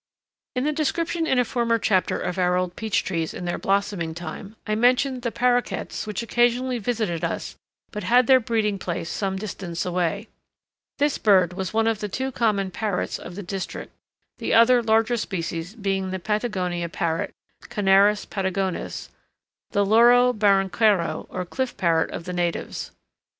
In the description in a former chapter of our old peach trees in their blossoming time I mentioned the paroquets which occasionally visited us but had their breeding place some distance away. This bird was one of the two common parrots of the district, the other larger species being the Patagonian parrot, Conarus patagonus, the Loro barranquero or Cliff Parrot of the natives.